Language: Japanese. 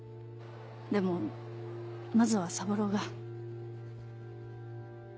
でもまずは三郎が。